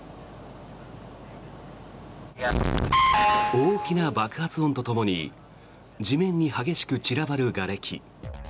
大きな爆発音とともに地面に激しく散らばるがれき。